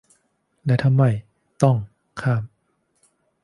และถ้าไม่ "ต้อง" ข้าม